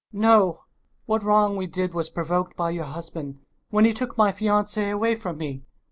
No, what wrong we did was provoked by your husband when he took my fiancee away from me!